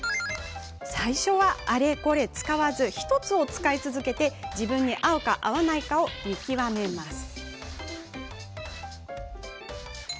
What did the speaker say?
最初は、あれこれ使わずに１つを使い続けて自分に合うか合わないかを見極めます。